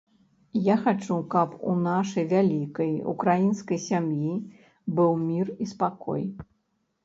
Я хачу, каб у нашай вялікай ўкраінскай сям'і быў мір і спакой.